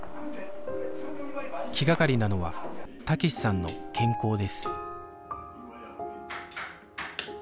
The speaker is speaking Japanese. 気がかりなのは武志さんの健康です